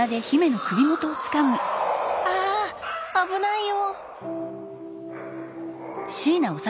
あ危ないよ！